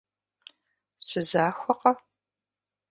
Сызахуэкъэ?